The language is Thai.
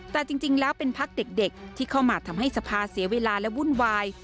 แต่จริงแล้วเป็นพักเด็กที่เข้ามาทำให้สภาเสียเวลาและวุ่นวาย